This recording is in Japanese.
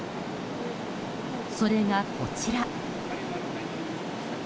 それがこちら。